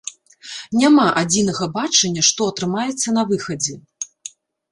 Няма адзінага бачання, што атрымаецца на выхадзе.